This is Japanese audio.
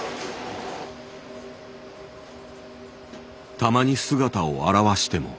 たまに姿を現しても。